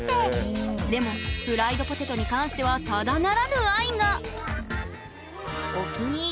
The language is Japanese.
でもフライドポテトに関してはただならぬ愛が！あっかわいい。